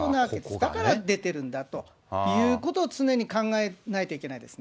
だから出てるんだということを常に考えないといけないですね。